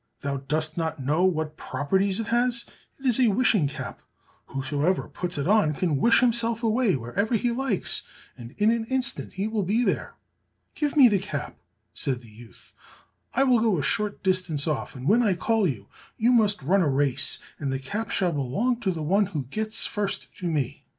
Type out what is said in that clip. "Thou dost not know what properties it has! It is a wishing cap; whosoever puts it on, can wish himself away wherever he likes, and in an instant he will be there." "Give me the cap," said the youth, "I will go a short distance off, and when I call you, you must run a race, and the cap shall belong to the one who gets first to me."